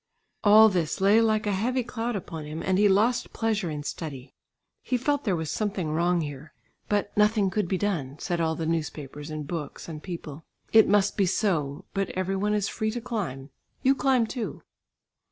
All this lay like a heavy cloud upon him, and he lost pleasure in study. He felt there was something wrong here, but nothing could be done said all the newspapers and books and people. It must be so but every one is free to climb. You climb too!